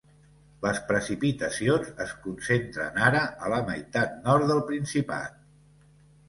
Les precipitacions es concentren ara a la meitat nord del Principat.